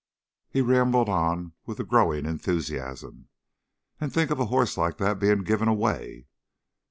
He rambled on with a growing enthusiasm. "And think of a hoss like that being given away!"